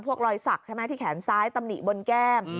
รอยสักใช่ไหมที่แขนซ้ายตำหนิบนแก้ม